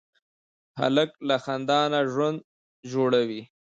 هلک له خندا نه ژوند جوړوي.